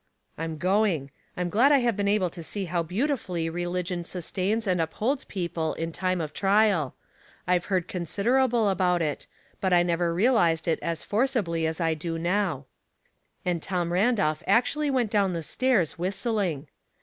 I'm going. I'm glad to have been able to 302 Household Puzzle§. see how beautifully religion sustains and upholds people in time of trial. I've heard considerable about it, but I never realized it as forcibly as 1 do now," and Tom Randolph actually went down the stairs whistling